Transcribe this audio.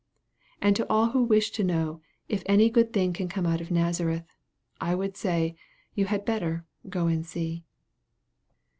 And to all who wish to know if "any good thing can come out of Nazareth," I would say, you had better "go and see."